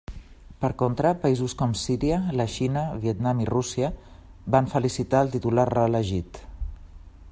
Per contra, països com Síria, la Xina, Vietnam, i Rússia van felicitar el titular reelegit.